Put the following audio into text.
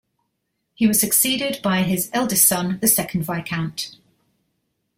He was succeeded by his eldest son, the second Viscount.